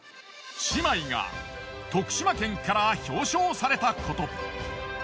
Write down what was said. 姉妹が徳島県から表彰されたこと。